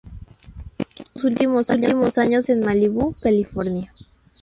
Vivió sus últimos años en Malibú, California.